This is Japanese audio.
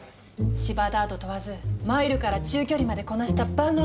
芝ダート問わずマイルから中距離までこなした万能Ｇ１馬。